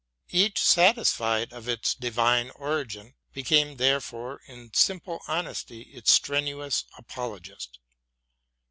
Each, satisfied of its divine origin, became, there fore, in simple honesty its strenuous apologist.